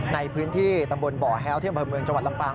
ในพื้นที่ตำบลบ่อแฮ้วที่อำเภอเมืองจังหวัดลำปาง